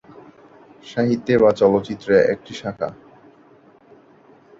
সাহিত্যে বা চলচ্চিত্রের একটি শাখা।